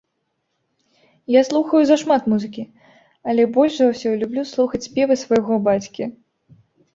Я слухаю зашмат музыкі, але больш за ўсё люблю слухаць спевы свайго бацькі.